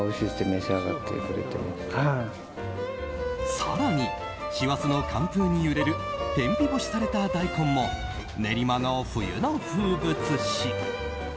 更に、師走の寒風に揺れる天日干しされた大根も練馬の冬の風物詩。